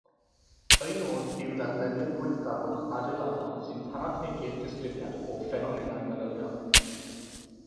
Ei nod yw dadlennu'r gweithgarwch adeiladol sy'n tanategu'r disgrifiad o ffenomenau meddyliol.